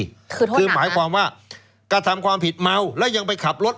คือโทษคือหมายความว่ากระทำความผิดเมาแล้วยังไปขับรถ